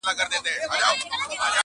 ور ناورین یې د کارګه غریب مېله کړه-